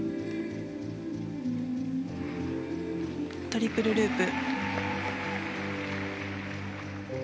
トリプルループ。